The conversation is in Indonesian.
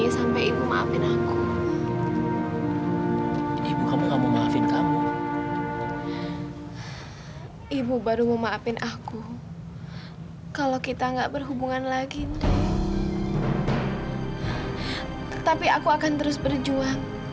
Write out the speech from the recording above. sampai jumpa di video selanjutnya